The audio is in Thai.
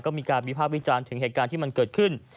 ก็มีการวิภาควิจารณ์ถึงเหตุการณ์ที่มันเกิดขึ้น